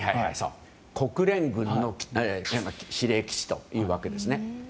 国連軍の司令基地というわけです。